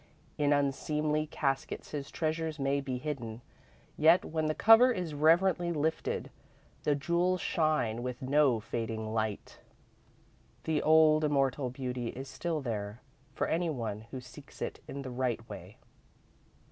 In unseemly caskets his treasures may be hidden, yet, when the cover is reverently lifted, the jewels shine with no fading light. The old, immortal beauty is still there, for any one who seeks it in the right way.